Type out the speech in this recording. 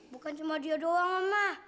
bukan cuma dia doang mah